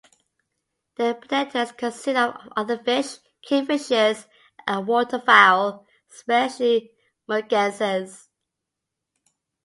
Their predators consist of other fish, kingfishers and water fowl especially mergansers.